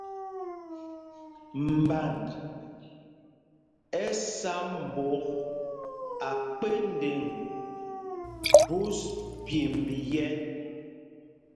Mband ɛ́ sá mbok akpendeŋ phūs pyêmb yɛ̄.